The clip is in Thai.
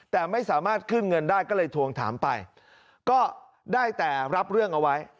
แต่ไม่สามารถขึ้นเงินได้ก็เลยทวงถามไปก็ได้แต่รับเรื่องเอาไว้